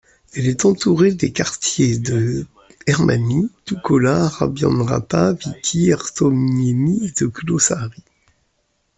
Elle est entourée des quartiers de Hermanni, Toukola, Arabianranta, Viikki, Herttoniemi et de Kulosaari.